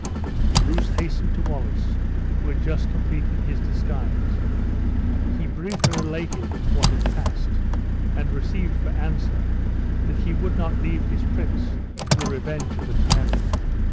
Bruce hastened to Wallace, who had just completed his disguise. He briefly related what had passed, and received for answer, that he would not leave his prince to the revenge of the tyrant.